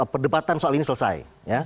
perdebatan soal ini selesai